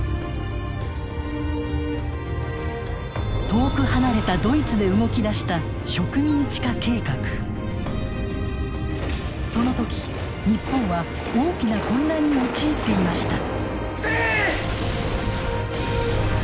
遠く離れたドイツで動き出したその時日本は大きな混乱に陥っていました。